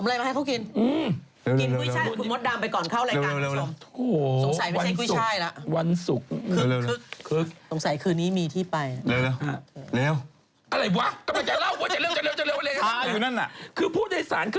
ไอ้หนุ่มวันนี้ดีดมากเลยไหลมาก